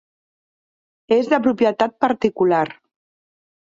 És de propietat particular.